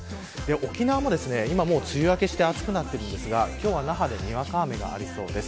沖縄も今、梅雨明けして暑くなっているんですが今日は那覇でにわか雨がありそうです。